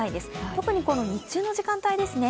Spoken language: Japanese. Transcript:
特に日中の時間帯ですね。